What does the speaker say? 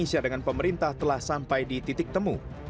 indonesia dengan pemerintah telah sampai di titik temu